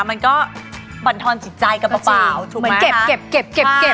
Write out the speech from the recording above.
มันก็บันทนจิตใจกับเปล่าถูกมั้ยคะเก็บ